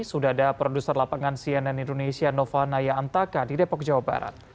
sudah ada produser lapangan cnn indonesia nova naya antaka di depok jawa barat